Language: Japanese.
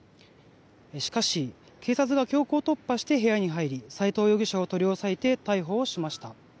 しかし、警察が強行突破して部屋に入り斎藤容疑者を取り押さえて逮捕しました。